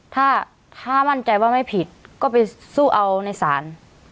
ถ้าถ้ามั่นใจว่าไม่ผิดก็ไปสู้เอาในศาล